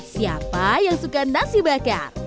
siapa yang suka nasi bakar